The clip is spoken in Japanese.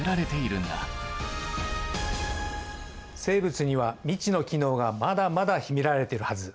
生物には未知の機能がまだまだ秘められてるはず。